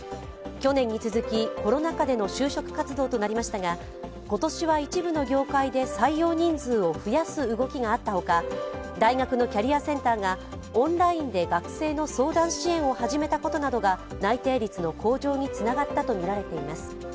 去年に続きコロナ禍での就職活動となりましたが、今年は一部の業界で採用人数を増やす動きがあったほか、大学のキャリアセンターがオンラインで学生の相談支援を始めたことなどが内定率の向上につながったとみられています。